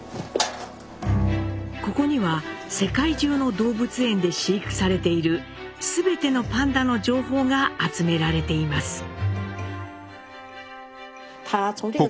ここには世界中の動物園で飼育されている全てのパンダの情報が集められています。